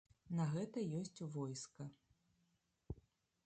На гэта ёсць войска.